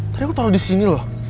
tapi aku taruh di sini loh